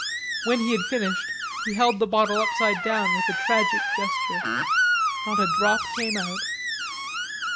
When he had finished he held the bottle upside down with a tragic gesture; not a drop came out.